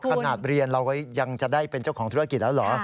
ขนาดเรียนเรายังจะได้เป็นเจ้าของธุรกิจแล้วเหรอ